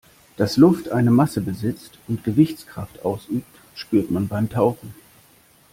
Dass Luft eine Masse besitzt und Gewichtskraft ausübt, spürt man beim Tauchen.